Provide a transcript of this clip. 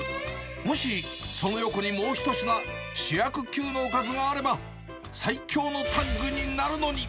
もし、その横にもう一品、主役級のおかずがあれば、最強のタッグになるのに。